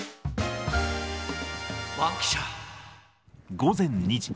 午前２時。